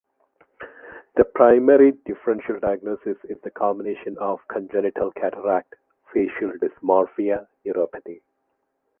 The primary differential diagnosis is the combination of congenital cataract - facial dysmorphia - neuropathy.